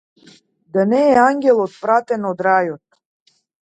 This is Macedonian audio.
Да не е ангелот пратен од рајот.